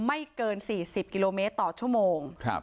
ไม่เกิน๔๐กิโลเมตรต่อชั่วโมง